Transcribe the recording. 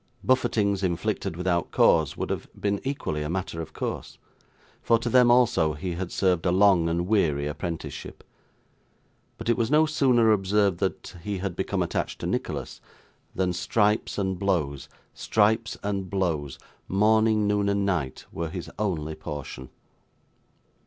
Buffetings inflicted without cause, would have been equally a matter of course; for to them also he had served a long and weary apprenticeship; but it was no sooner observed that he had become attached to Nicholas, than stripes and blows, stripes and blows, morning, noon, and night, were his only portion.